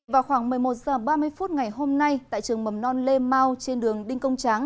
vào khoảng một mươi một h ba mươi phút ngày hôm nay tại trường mầm non lê mau trên đường đinh công tráng